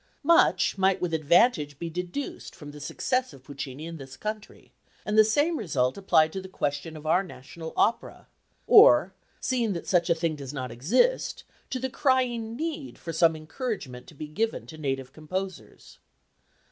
Much might with advantage be deduced from the success of Puccini in this country, and the same result applied to the question of our national opera; or, seeing that such a thing does not exist, to the crying need for some encouragement to be given to native composers.